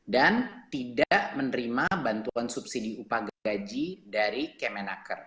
dan tidak menerima bantuan subsidi upah gaji dari kemenaker